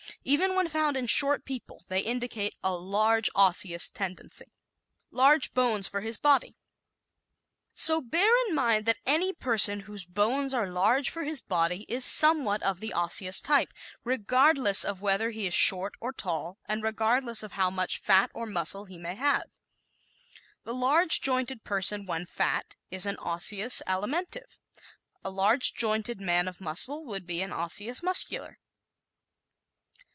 Even when found in short people they indicate a large osseous tendency. Large Bones for His Body ¶ So bear in mind that any person whose bones are large for his body is somewhat of the Osseous type, regardless of whether he is short or tall and regardless of how much fat or muscle he may have. The large jointed person when fat is an Osseous Alimentive. A large jointed man of muscle would be an Osseous Muscular.